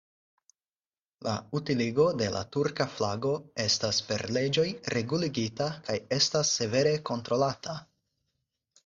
La utiligo de la turka flago estas per leĝoj reguligita kaj estas severe kontrolata.